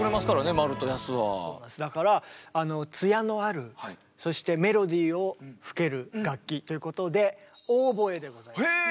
だからあの艶のあるそしてメロディーを吹ける楽器ということでへえ！